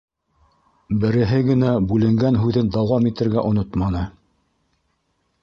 Береһе генә бүленгән һүҙен дауам итергә онотманы: